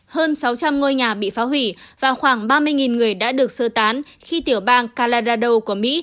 hơn sáu trăm linh ngôi nhà bị phá hủy và khoảng ba mươi người đã được sơ tán khi tiểu bang calarado của mỹ